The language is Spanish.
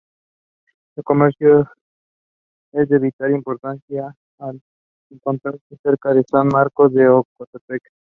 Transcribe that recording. El comercio es de vital importancia al encontrarse cerca de San Marcos de Ocotepeque.